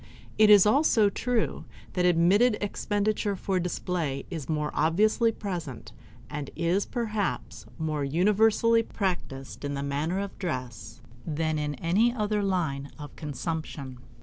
It is also true that admitted expenditure for display is more obviously present, and is, perhaps, more universally practiced in the matter of dress than in any other line of consumption.